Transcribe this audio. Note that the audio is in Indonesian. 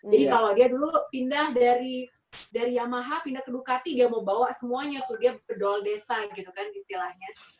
kalau dia dulu pindah dari yamaha pindah ke dukati dia mau bawa semuanya tuh dia ke doll desa gitu kan istilahnya